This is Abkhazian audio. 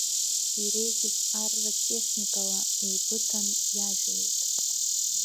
Иреиӷьыз арратә техникала, еибыҭаны иажәлеит.